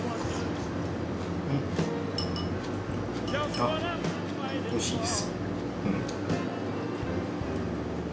あっおいしいです。